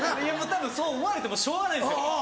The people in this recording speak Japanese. たぶんそう思われてもしょうがないんですよ。